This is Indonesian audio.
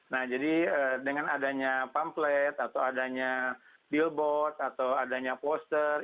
nah jadi dengan adanya pamplet atau adanya billboard atau adanya poster